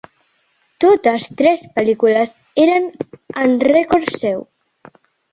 Totes tres pel·lícules eren en record seu.